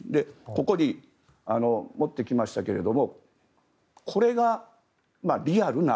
ここに持ってきましたがこれがリアルな。